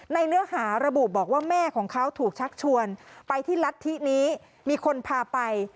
เนื้อหาระบุบอกว่าแม่ของเขาถูกชักชวนไปที่รัฐธินี้มีคนพาไป